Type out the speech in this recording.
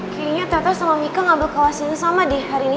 kayaknya tata sama mika ngambil kelas ini sama di hari ini